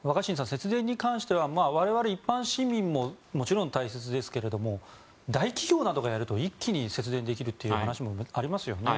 節電に関しては我々一般市民ももちろん大切ですけれども大企業などがやると一気に節電できるという話もありますよね。